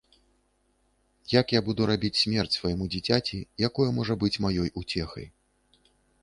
Як я буду рабіць смерць свайму дзіцяці, якое можа быць маёй уцехай.